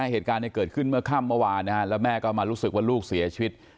เหตุการณ์เกิดขึ้นเมื่อค่ำเมื่อวานแล้วแม่ก็มารู้สึกว่าลูกเสียชีวิต